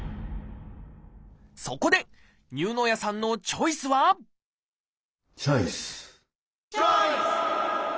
そこで丹生谷さんのチョイスはチョイス！